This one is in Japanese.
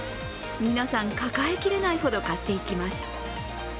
皆さん、抱えきれないほど買っていきます。